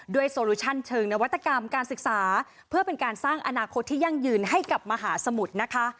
โซลูชั่นเชิงนวัตกรรมการศึกษาเพื่อเป็นการสร้างอนาคตที่ยั่งยืนให้กับมหาสมุทรนะคะ